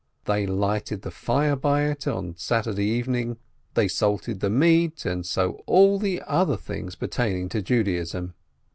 They lighted the fire by it on Saturday evening, they salted the meat, and so all the other things pertaining to Judaism.